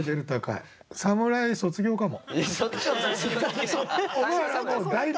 侍卒業かも。